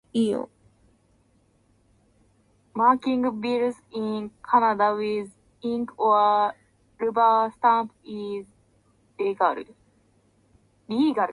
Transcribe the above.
Marking bills in Canada with ink or rubber stamp is legal.